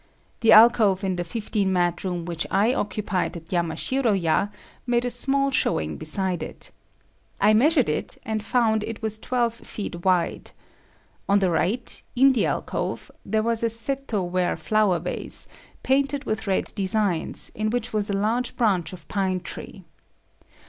The alcove in the fifteen mat room which I occupied at Yamashiro ya made a small showing beside it. I measured it and found it was twelve feet wide. On the right, in the alcove, there was a seto ware flower vase, painted with red designs, in which was a large branch of pine tree.